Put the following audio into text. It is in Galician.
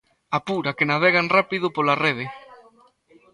Apura, que navegan rápido pola rede!